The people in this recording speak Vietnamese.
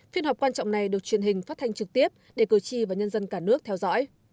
phiên họp quan trọng này được truyền hình phát thanh trực tiếp để cử tri và nhân dân cả nước theo dõi